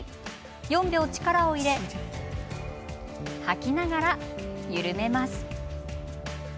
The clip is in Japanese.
４秒力を入れ吐きながら緩めます。